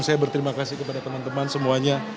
saya berterima kasih kepada teman teman semuanya